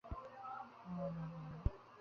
তুমি জানো তুমি আমার কী ক্ষতি করেছো!